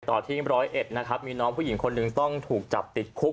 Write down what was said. ต่อที่๑๐๑มีน้องผู้หญิงคนหนึ่งต้องถูกจับติดคุก